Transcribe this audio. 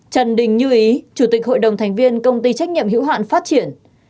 trần đình như ý chủ tịch hội đồng thành viên công ty trách nhiệm hữu hạn phát triển